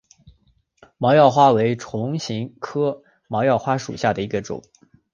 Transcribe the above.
毛药花为唇形科毛药花属下的一个种。